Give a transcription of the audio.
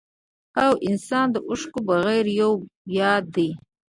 او انسان د اوښکو بغير يو ياد دی